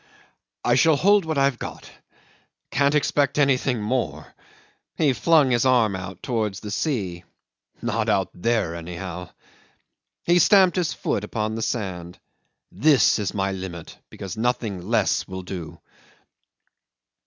I shall hold what I've got. Can't expect anything more." He flung his arm out towards the sea. "Not out there anyhow." He stamped his foot upon the sand. "This is my limit, because nothing less will do."